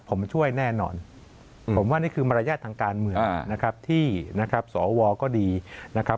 ผมช่วยแน่นอนผมว่านี่คือมารยาททางการเมืองนะครับที่นะครับสวก็ดีนะครับ